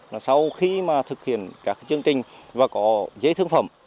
là sau khi mà thực hiện các chương trình và có dễ thương phẩm